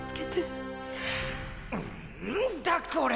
んっだこれ！